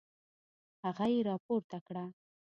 هغه يې راپورته کړه.